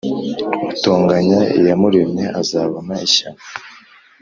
Utonganya Iyamuremye azabona ishyano.